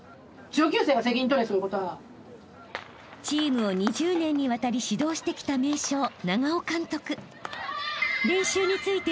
［チームを２０年にわたり指導してきた名将］